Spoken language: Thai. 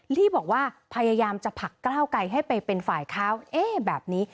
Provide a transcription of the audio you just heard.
ที่บอกว่าพยายามจะผลักก้าวไกลให้ไปเป็นฝ่ายค้านเอ๊ะแบบนี้